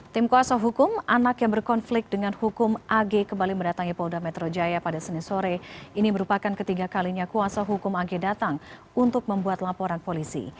tim kuasa hukum anak yang berkonflik dengan hukum ag kembali mendatangi polda metro jaya pada senin sore ini merupakan ketiga kalinya kuasa hukum ag datang untuk membuat laporan polisi